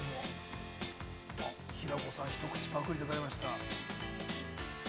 ◆平子さん、一口、パクリでございました。